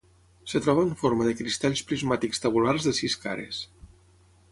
Es troba en forma de cristalls prismàtics tabulars de sis cares.